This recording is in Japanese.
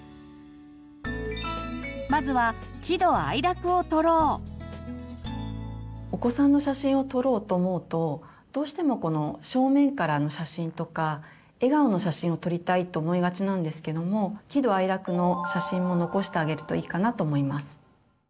まずはお子さんの写真を撮ろうと思うとどうしてもこの正面からの写真とか笑顔の写真を撮りたいと思いがちなんですけども喜怒哀楽の写真も残してあげるといいかなと思います。